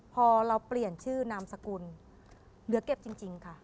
พอเราเปลี่ยนชื่อนามสกุลเหลือเก็บจริงค่ะ